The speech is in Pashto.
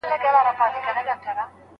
آیا دنده تر بېکارۍ ښه ده؟